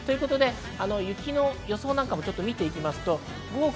雪の予想なんかも見ていきます。